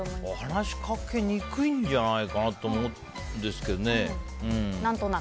話しかけにくいんじゃないかなと思うんですけどね。